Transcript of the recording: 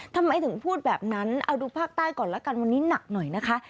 ทำไมถึงพูดแบบนั้นเอาดูภาคใต้ก่อนละกันวันนี้หนักหน่อยนะคะ